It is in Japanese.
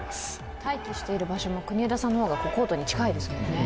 待機している場所も国枝さんの方がコートに近いですもんね。